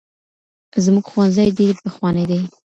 زموږ ښوونځی ډېر پخوانی دی.